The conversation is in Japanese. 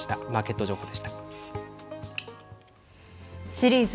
シリーズ